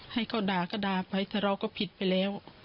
ให้เขาด่าก็ด่าไปแต่เราก็ผิดไปแล้ว